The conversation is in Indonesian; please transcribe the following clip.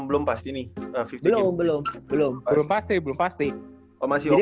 belum pasti belum pasti